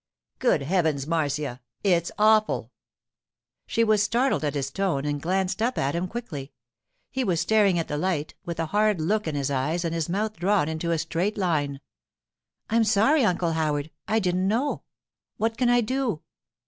'Good heavens, Marcia! It's awful!' She was startled at his tone, and glanced up at him quickly. He was staring at the light, with a hard look in his eyes and his mouth drawn into a straight line. 'I'm sorry, Uncle Howard; I didn't know. What can I do?